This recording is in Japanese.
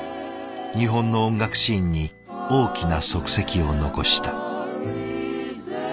日本の音楽シーンに大きな足跡を残した。